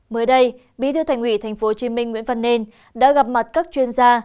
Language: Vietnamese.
mới đây bí thư thành ủy tp hcm nguyễn văn nên đã gặp mặt các chuyên gia